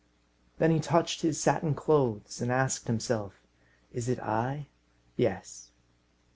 Then he touched his satin clothes, and asked himself, "Is it I? Yes."